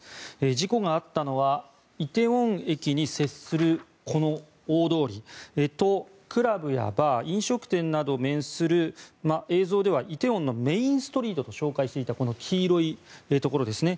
事故があったのは梨泰院駅に接するこの大通りとクラブやバー飲食店などが面する映像では梨泰院のメインストリートと紹介していたこの黄色いところですね。